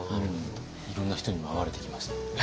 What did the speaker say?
いろんな人にも会われてきました？